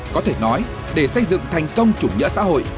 có thể nói để xây dựng thành công chủng nhỡ xã hội